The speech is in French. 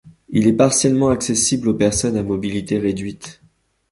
Il est partiellement accessible aux personnes à mobilité réduite.